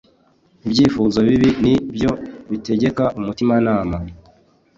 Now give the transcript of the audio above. Ibyifuzo bibi ni byo bitegeka umutimanama